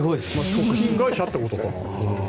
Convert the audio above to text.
食品会社ってことかな？